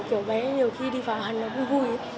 kiểu bé nhiều khi đi vào hà nội cũng vui